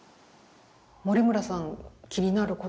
森村さん気になることは？